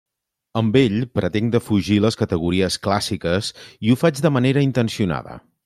Amb ell pretenc defugir les categories clàssiques i ho faig de manera intencionada.